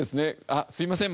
「あっすいません。